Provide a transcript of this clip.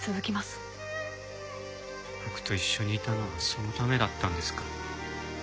僕と一緒にいたのはそのためだったんですか？